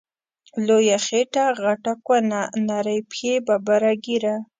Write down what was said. لویه خیټه غټه کونه، نرۍ پښی ببره ږیره